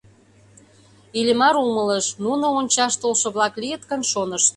Иллимар умылыш: нуно ончаш толшо-влак лийыт гын, шонышт.